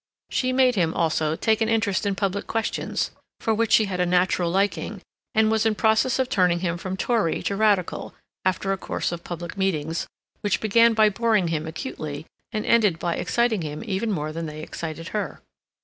She made him, also, take an interest in public questions, for which she had a natural liking; and was in process of turning him from Tory to Radical, after a course of public meetings, which began by boring him acutely, and ended by exciting him even more than they excited her.